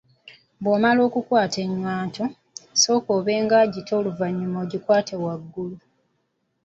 Bw’omala okukwata ennywanto, sooka obe nga agita ate oluvannyuma ogikwate waggulu.